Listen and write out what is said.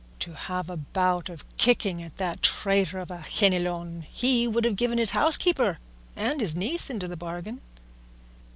To have a bout of kicking at that traitor of a Ganelon he would have given his housekeeper, and his niece into the bargain.